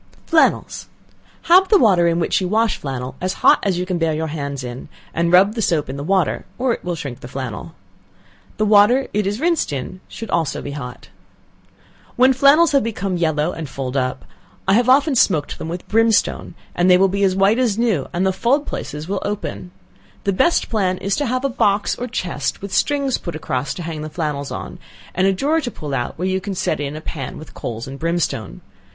Flannels. Have the water in which you wash flannel as hot as you can bear your hands in, and rub the soap in the water, or it will shrink the flannel. The water it is rinsed in should also be hot. When flannels have become yellow and fulled up, I have often smoked them with brimstone, and they will be as white as new, and the fulled places will open. The best plan is to have a box or chest, with strings put across to hang the flannels on, and a drawer to pull out where you can set in a pan with coals and brimstone.